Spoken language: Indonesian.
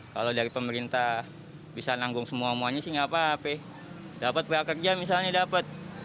kalau dari pemerintah bisa nanggung semua muanya sih gak apa apa dapat pekerjaan misalnya dapat